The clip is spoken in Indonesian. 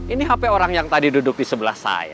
ini hp orang yang tadi duduk di sebelah saya